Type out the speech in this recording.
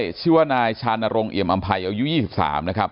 ชีวิตชื่อว่านายชานรงเอียมอำไพยอายุยี่สิบสามนะครับ